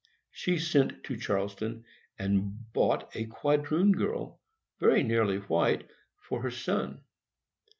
She sent to Charleston, and bought a quadroon girl, very nearly white, for her son.